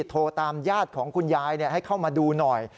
โทรตามญาติของคุณยายให้เข้ามาดูหน่อย